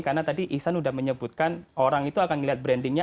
karena tadi ihsan sudah menyebutkan orang itu akan melihat brandingnya